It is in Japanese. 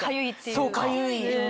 そうかゆい。